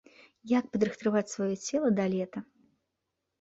Як падрыхтаваць сваё цела да лета?